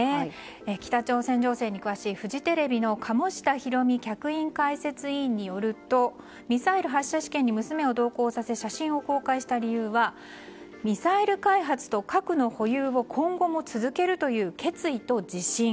北朝鮮情勢に詳しいフジテレビの鴨下ひろみ客員解説委員によるとミサイル発射試験に娘を同行させ写真を公開した理由はミサイル開発と核の保有を今後も続けるという決意と自信。